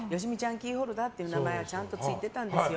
キーホルダーって名前がちゃんとついてたんですよ。